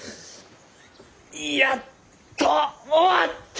やっと終わった。